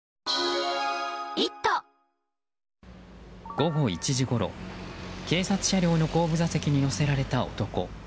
午後１時ごろ警察車両の後部座席に乗せられた男。